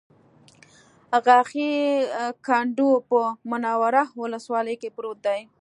غاښی کنډو په منوره ولسوالۍ کې پروت دی